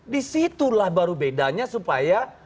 disitulah baru bedanya supaya